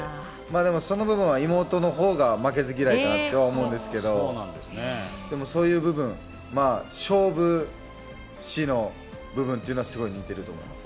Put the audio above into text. でもその部分が妹のほうが負けず嫌いかなと思うんですけどそういう部分勝負師の部分というのはすごく似てると思います。